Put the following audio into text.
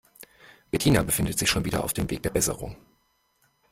Bettina befindet sich schon wieder auf dem Weg der Besserung.